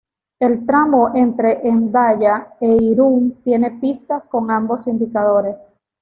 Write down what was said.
El tramo entre Hendaya e Irún tiene pistas con ambos indicadores.